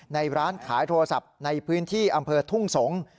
ในร้านขายโทรศัพท์ในพื้นที่อำเภอทุ่งสงศ์